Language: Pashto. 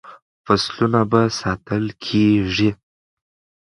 فصلونه به ساتل کیږي.